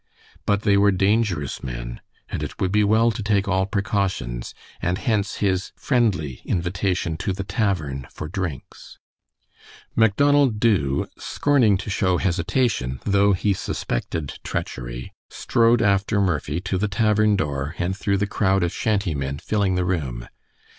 But they were dangerous men, and it would be well to take all precautions, and hence his friendly invitation to the tavern for drinks. Macdonald Dubh, scorning to show hesitation, though he suspected treachery, strode after Murphy to the tavern door and through the crowd of shanty men filling the room.